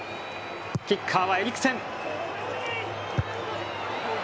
キッカーはエリクセン。